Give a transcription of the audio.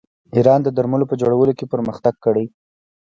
ایران د درملو په جوړولو کې پرمختګ کړی.